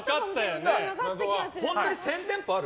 本当に１０００店舗ある？